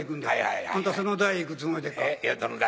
あんたその台行くつもりでっか？